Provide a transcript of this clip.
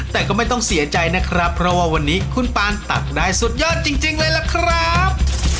แต่ก็ไม่ต้องเสียใจนะครับเพราะว่าวันนี้คุณปานตักได้สุดยอดจริงเลยล่ะครับ